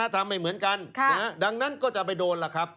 ทำไม่เหมือนกันดังนั้นก็จะไปโดนล่ะครับ